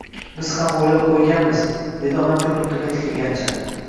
Biz ham o`ylab qo`yganmiz, dedi onam bir nuqtaga tikilgancha